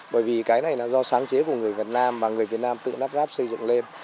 bởi vì cái này là do sáng chế của người việt nam và người việt nam tự nắp ráp xây dựng lên